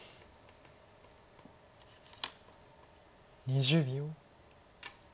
２０秒。